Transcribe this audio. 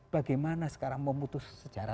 bagaimana sekarang memutus sejarah